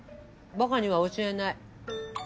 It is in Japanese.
バカには教えない。